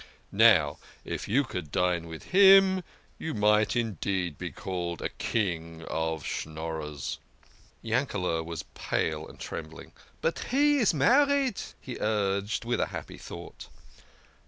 Now if you could dine with him you might indeed be called a king of Schnorrers" Yankele" was pale and trembling. " But he is married !" he urged, with a happy thought.